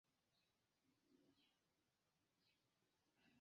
Mi volis pardoni lin, sed poste mi komprenis ke ni devas savi la homaron.